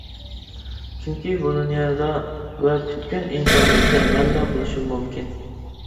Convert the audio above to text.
چۈنكى بۇ دۇنيادا ۋە پۈتكۈل ئىنسانىيەتتە مەنلا بولۇشۇم مۇمكىن.